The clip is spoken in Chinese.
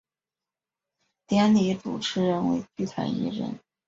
典礼主持人为剧团一人。